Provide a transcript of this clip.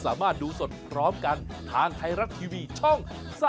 สามารถดูสดพร้อมกันทางไทยรัฐทีวีช่อง๓๒